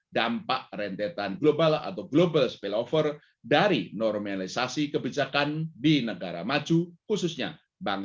tempat rentetan global atau global spillover dari normalisasi kebijakan di negara maju khususnya bank